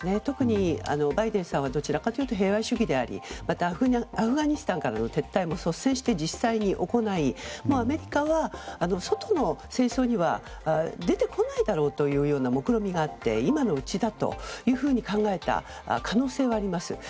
特に、バイデンさんはどちらかというと平和主義でありまたアフガニスタンからの撤退も実際に率先して行いアメリカは外の戦争には出てこないだろうというもくろみがあって今のうちだというふうに考えた可能性はあります。